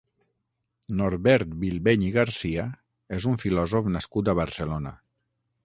Norbert Bilbeny i García és un filòsof nascut a Barcelona.